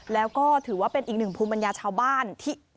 แล้วก็ถือว่าเป็นอีกหนึ่งภูมิปัญญาชาวบ้านที่